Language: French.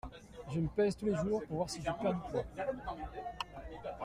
Je me pèse tous les jours pour voir si je perds du poids.